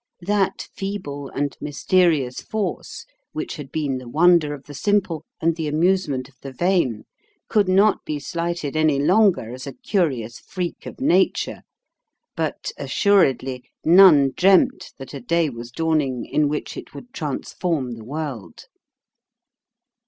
That feeble and mysterious force which had been the wonder of the simple and the amusement of the vain could not be slighted any longer as a curious freak of nature, but assuredly none dreamt that a day was dawning in which it would transform the world.